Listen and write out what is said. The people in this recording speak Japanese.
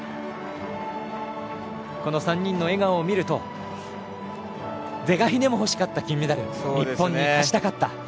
この３人の笑顔を見ると是が非でも、欲しかった金メダル日本に勝ちたかった。